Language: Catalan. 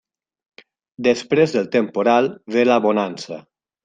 Després del temporal ve la bonança.